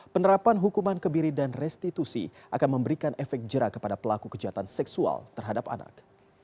penerapan hukuman kebiri dan restitusi akan memberikan efek jerah kepada pelaku kejahatan seksual terhadap anak